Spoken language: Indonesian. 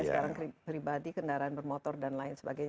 sekarang pribadi kendaraan bermotor dan lain sebagainya